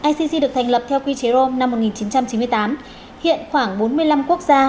icc được thành lập theo quy chế rome năm một nghìn chín trăm chín mươi tám hiện khoảng bốn mươi năm quốc gia